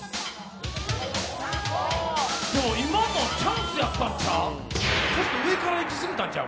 でも、今のはチャンスやったんちゃう？